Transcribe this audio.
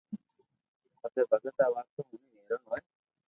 پسي ڀگت آ واتون ھوڻين حيرون ھوئي